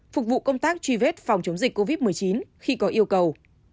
phục vụ công tác truy vết phòng chống dịch covid một mươi chín khi có yêu cầu